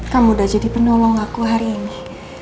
kamu udah jadi penolong aku hari ini